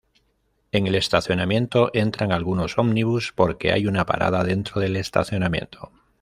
En el estacionamiento entran algunos ómnibus porque hay una parada dentro del estacionamiento.